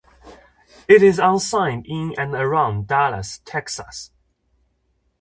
It is unsigned in and around Dallas, Texas.